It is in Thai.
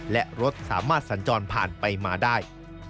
และรถสามารถสัญจรผ่านไปมาได้